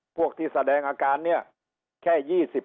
พวกที่แสดงอาการแค่๒๐